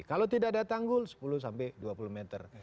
kalau tidak ada tanggul sepuluh sampai dua puluh meter